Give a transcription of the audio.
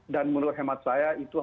dan menurut hemat saya itu